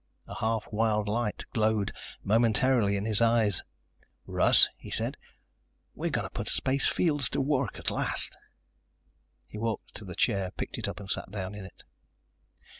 A half wild light glowed momentarily in his eyes. "Russ," he said, "we're going to put space fields to work at last." He walked to the chair, picked it up and sat down in it.